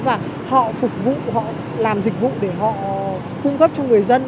và họ phục vụ họ làm dịch vụ để họ cung cấp cho người dân